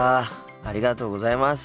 ありがとうございます。